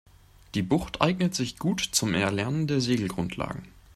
Die Bucht eignet sich gut zum Erlernen der Segelgrundlagen.